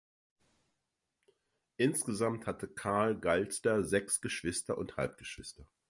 Insgesamt hatte Carl Galster sechs Geschwister und Halbgeschwister.